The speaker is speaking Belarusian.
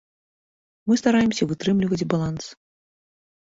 Мы стараемся вытрымліваць баланс.